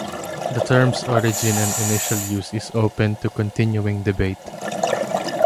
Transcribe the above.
The term's origin and initial use is open to continuing debate.